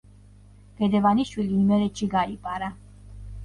გედევანიშვილი იმერეთში გაიპარა.